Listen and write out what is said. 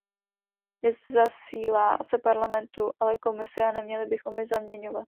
Nezasílá se Parlamentu, ale Komisi, a neměli bychom je zaměňovat.